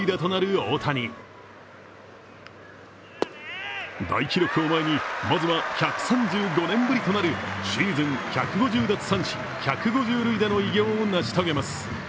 大記録を前にまずは１３５年ぶりとなるシーズン１５０奪三振・１５０塁打の偉業を成し遂げます。